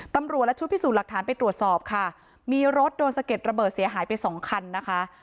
ตำรวจและชุดพิสูจน์หลักฐานไปตรวจสอบค่ะมีรถโดนสะเก็ดระเบิดเสียหายไปสองคันนะคะ